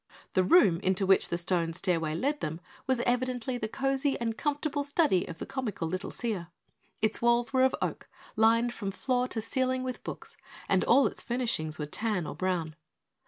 The room into which the stone stairway led them was evidently the cozy and comfortable study of the comical little seer. Its walls were of oak, lined from floor to ceiling with books, and all its furnishings were tan or brown.